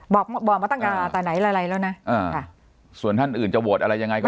บอกบอกมาตั้งแต่ไหนอะไรแล้วนะอ่าค่ะส่วนท่านอื่นจะโหวตอะไรยังไงก็